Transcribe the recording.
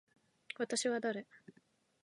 私は誰。